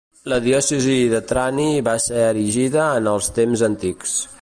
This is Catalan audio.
La diòcesi de Trani va ser erigida en els temps antics.